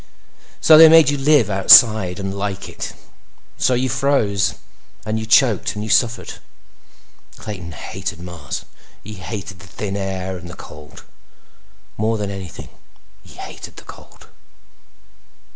So they made you live outside and like it. So you froze and you choked and you suffered. Clayton hated Mars. He hated the thin air and the cold. More than anything, he hated the cold.